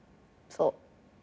「そう」